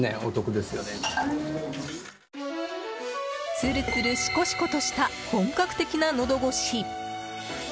つるつるシコシコとした本格的なのどごし。